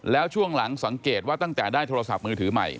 แล้วช่วงหลังสังเกตว่าตั้งแต่ได้โทรศัพท์มือถือใหม่